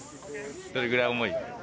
どれぐらい重い？